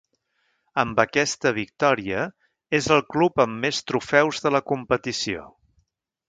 Amb aquesta victòria és el club amb més trofeus de la competició.